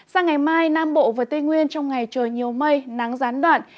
sang ngày mai nam bộ và tây nguyên trong ngày trời nhiều mây nắng gián đoạn